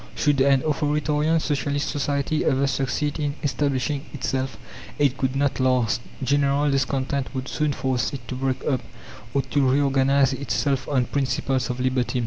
Should an authoritarian Socialist society ever succeed in establishing itself, it could not last; general discontent would soon force it to break up, or to reorganize itself on principles of liberty.